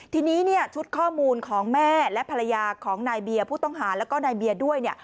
ทีนี้ชุดข้อมูลของแม่และภรรยาของนายเบียร์ผู้ต้องหาแล้วก็นายเบียร์ด้วย